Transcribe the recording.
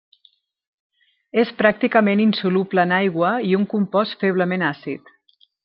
És pràcticament insoluble en aigua i un compost feblement àcid.